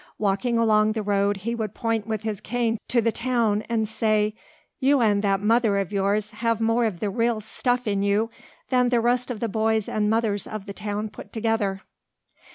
Walking along the road he would point with his cane to the town and say, "You and that mother of yours have more of the real stuff in you than the rest of the boys and mothers of the town put together."